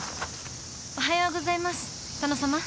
おはようございます佐野さま。